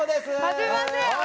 はじめまして！